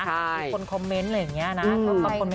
ถึงคนคอมเมนต์อะไรแบบนี้นะ